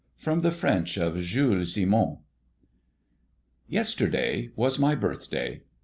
From the French of JULES SIMON. Yesterday was my birthday.